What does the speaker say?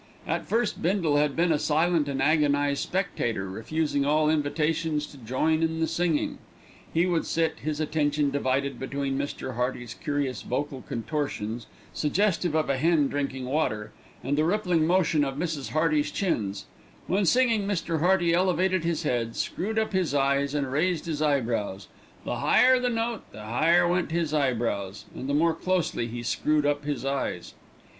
At first Bindle had been a silent and agonised spectator, refusing all invitations to join in the singing. He would sit, his attention divided between Mr. Hearty's curious vocal contortions, suggestive of a hen drinking water, and the rippling motion of Mrs. Hearty's chins. When singing Mr. Hearty elevated his head, screwed up his eyes and raised his eyebrows; the higher the note the higher went his eyebrows, and the more closely he screwed up his eyes.